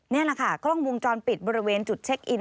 นี่แหละค่ะกล้องวงจรปิดบริเวณจุดเช็คอิน